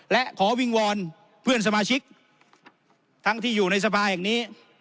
และขอวิงวอนเพื่อนสมาชิกทั้งที่อยู่ในสภาแห่งนี้